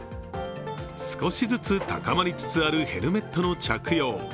少しずつ高まりつつあるヘルメットの着用。